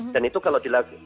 dan itu kalau dilakukan